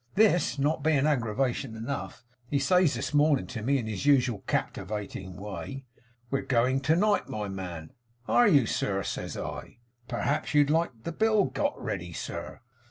This not being aggravation enough, he says this morning to me, in his usual captivating way, "We're going to night, my man." "Are you, sir?" says I. "Perhaps you'd like the bill got ready, sir?"